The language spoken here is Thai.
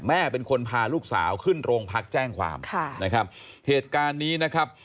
แม่เป็นคนพาลูกสาวขึ้นโรงพักแจ้งความค่ะนะครับเหตุการณ์นี้นะครับ